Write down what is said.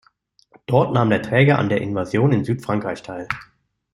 Dort nahm der Träger an der Invasion in Süd-Frankreich teil.